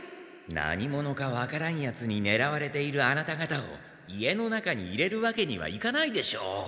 何者かわからんヤツにねらわれているアナタがたを家の中に入れるわけにはいかないでしょう。